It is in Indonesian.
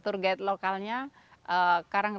tour guide lokalnya karangrejo